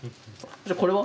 じゃこれは？